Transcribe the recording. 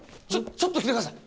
ちょっと来てください。